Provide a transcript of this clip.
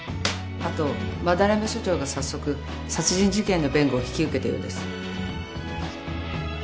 あと斑目所長が早速殺人事件の弁護を引き受けたようです